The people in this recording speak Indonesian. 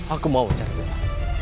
aku mau mencari bella